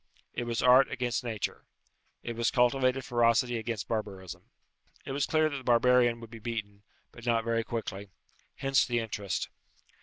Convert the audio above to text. It was art against nature. It was cultivated ferocity against barbarism. It was clear that the barbarian would be beaten, but not very quickly. Hence the interest.